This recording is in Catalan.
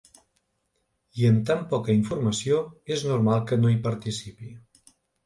I amb tan poca informació, és normal que no hi participi.